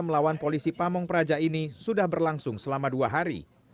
melawan polisi pamung praja ini sudah berlangsung selama dua hari